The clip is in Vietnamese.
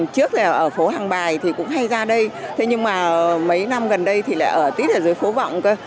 trước là ở phố hàng bài thì cũng hay ra đây thế nhưng mà mấy năm gần đây thì lại ở tít ở dưới phố vọng cơ